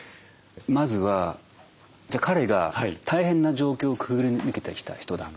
まずは「彼が大変な状況をくぐり抜けてきた人だ。